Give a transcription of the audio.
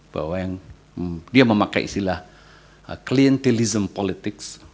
bahwa yang dia memakai istilah cleantilism politics